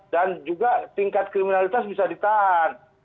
dan juga tingkat kriminalitas bisa ditahan